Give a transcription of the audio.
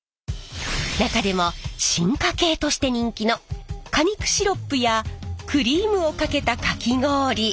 中でも進化系として人気の果肉シロップやクリームをかけたかき氷。